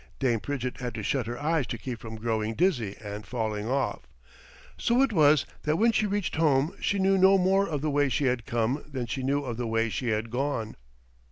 Dame Pridgett had to shut her eyes to keep from growing dizzy and falling off. So it was that when she reached home she knew no more of the way she had come than she knew of the way she had gone.